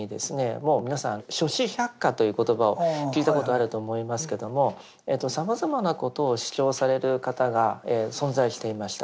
もう皆さん「諸子百家」という言葉を聞いたことあると思いますけどもさまざまなことを主張される方が存在していました。